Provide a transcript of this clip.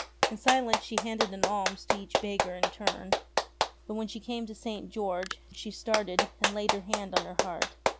In silence she handed an alms to each beggar in turn ; but when she came to St. George she started and laid her hand on her heart.